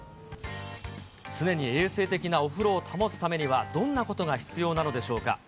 常に衛生的なお風呂を保つためには、どんなことが必要なのでしょうか。